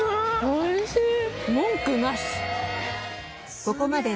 おいしいっ